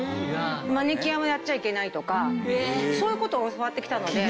マニキュアもやっちゃいけないとかそういう事を教わってきたので。